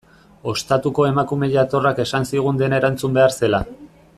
Ostatuko emakume jatorrak esan zigun dena erantzun behar zela.